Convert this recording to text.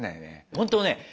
本当ね